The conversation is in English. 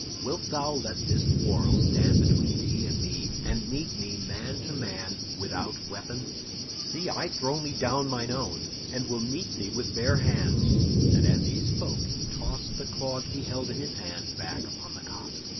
Wilt thou let this quarrel stand between thee and me, and meet me man to man without weapon? See, I throw me down mine own, and will meet thee with bare hands." And as he spoke, he tossed the clog he held in his hand back upon the cot.